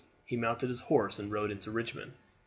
He mounted his horse and rode into Richmond.